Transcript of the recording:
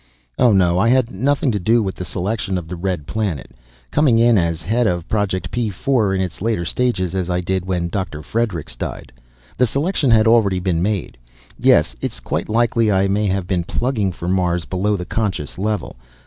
Oh, no, I had nothing to do with the selection of the Red Planet. Coming in as head of Project P 4 in its latter stages, as I did when Dr. Fredericks died, the selection had already been made. Yes, it's quite likely I may have been plugging for Mars below the conscious level.